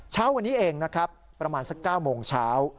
เช้าวันนี้เองนะครับประมาณสัก๙โมงเช้า